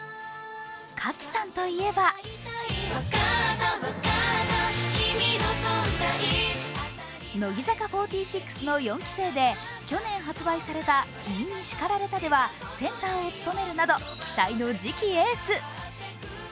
賀喜さんといえば乃木坂４６の４期生で去年発売された「君に叱られた」ではセンターを務めるなど期待の次期エース。